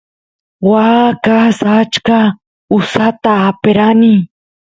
waa kaas achka usata aperani